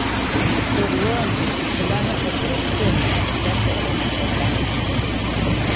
ئوغلۇم، ئۇلارنىڭ ئوقۇرى ئۈستۈن، -دەپ ئوغلىغا نەسىھەتلەرنى قىپتۇ.